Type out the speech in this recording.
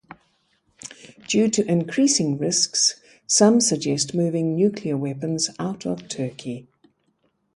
Due to increasing risks some suggest moving nuclear weapons out of Turkey.